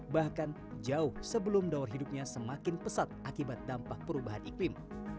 bahkan jauh sebelum daur hidupnya semakin pesat akibat dampak perubahan iklim